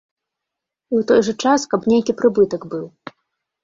І ў той жа час, каб нейкі прыбытак быў.